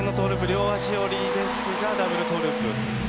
両足下りですがダブルトウループ。